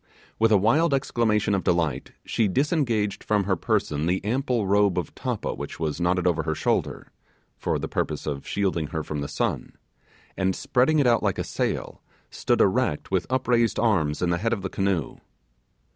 With a wild exclamation of delight, she disengaged from her person the ample robe of tappa which was knotted over her shoulder (for the purpose of shielding her from the sun), and spreading it out like a sail, stood erect with upraised arms in the head of the canoe.